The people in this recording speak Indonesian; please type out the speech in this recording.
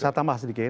saya tambah sedikit